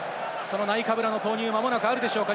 ナイカブラの投入、まもなくあるでしょうか？